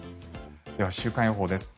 では週間予報です。